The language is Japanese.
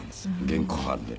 現行犯で。